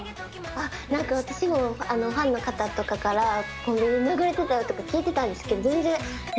なんか私も、ファンの方とかから、コンビニで流れとったよとか聞いてたんですけど、全然、え？